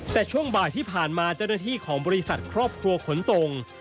แต่ช่วงบ่ายที่ผ่านมาเจ้าหน้าที่ของบริษัทครอบครัวขนส่ง